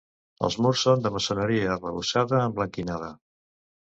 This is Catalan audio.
Els murs són de maçoneria arrebossada emblanquinada.